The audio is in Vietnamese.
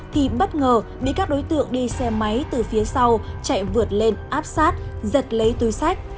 thì bất ngờ bị các đối tượng đi xe máy từ phía sau chạy vượt lên áp sát giật lấy túi sách